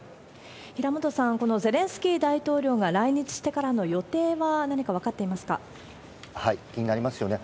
平本さん、このゼレンスキー大統領が来日してからの予定は何か分かっていま気になりますよね。